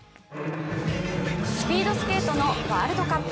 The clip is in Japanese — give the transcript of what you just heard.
スピードスケートのワールドカップ。